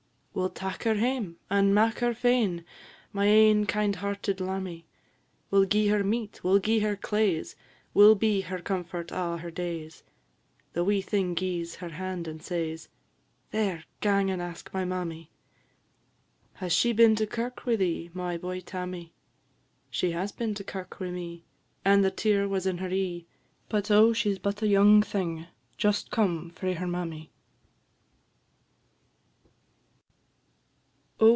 '" "We 'll tak her hame, and mak her fain, My ain kind hearted lammie; We 'll gi'e her meat, we 'll gi'e her claise, We 'll be her comfort a' her days." The wee thing gi'es her hand and says "There! gang and ask my mammy." "Has she been to kirk wi' thee, My boy, Tammy?" "She has been to kirk wi' me, And the tear was in her e'e; But, oh! she 's but a young thing, Just come frae her mammy."